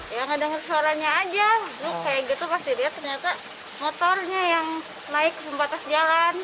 ya ngedenger suaranya aja kayak gitu pas dilihat ternyata motornya yang naik sempat atas jalan